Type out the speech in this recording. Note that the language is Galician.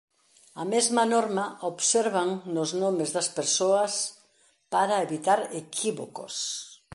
A mesma norma observan nos nomes das persoas, para evitar equívocos.